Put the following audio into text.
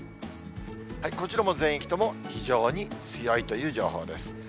こちらも全域とも非常に強いという情報です。